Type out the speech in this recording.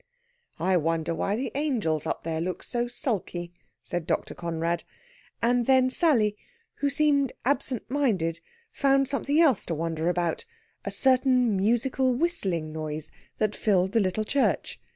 "I wonder why the angels up there look so sulky," said Dr. Conrad. And then Sally, who seemed absent minded, found something else to wonder about a certain musical whistling noise that filled the little church.